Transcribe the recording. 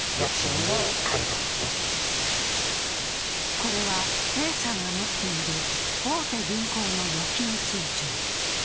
これはＡさんが持っている大手銀行の預金通帳。